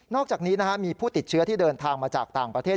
อกจากนี้มีผู้ติดเชื้อที่เดินทางมาจากต่างประเทศ